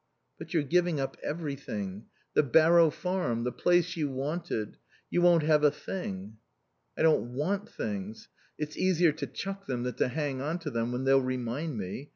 "But you're giving up everything. The Barrow Farm. The place you wanted. You won't have a thing." "I don't want 'things.' It's easier to chuck them than to hang on to them when they'll remind me....